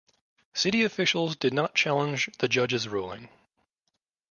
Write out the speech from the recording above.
City officials did not challenge the judge's ruling.